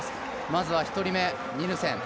まずは１人目、ニルセン。